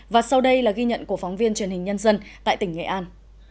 và sau đây là ghi nhận của phóng viên truyền hình nhân dân tại tỉnh nghệ an